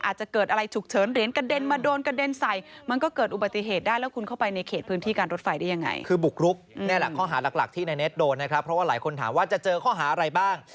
เจอข้อหาอะไรบ้าง